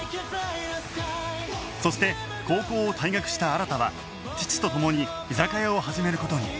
そして高校を退学した新は父と共に居酒屋を始める事に